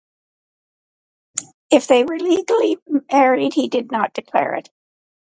If they were legally married, he did not declare it.